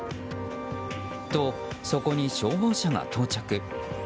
と、そこに消防車が到着。